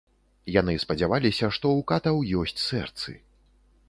Яны спадзяваліся, што ў катаў ёсць сэрцы.